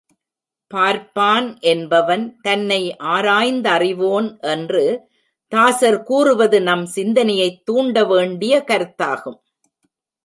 பார்ப்பான் என்பவன் தன்னை ஆராய்ந்தறிவோன் என்று தாசர் கூறுவது நம் சிந்தனையைத் தூண்ட வேண்டிய கருத்தாகும்.